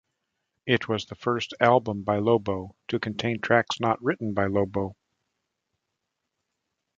It was the first album by Lobo to contain tracks not written by Lobo.